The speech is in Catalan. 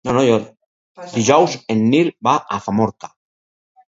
Dijous en Nil va a Famorca.